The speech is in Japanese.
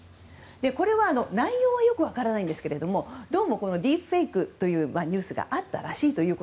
これは内容はよく分からないんですけれどもどうもディープフェイクというニュースがあったらしいと。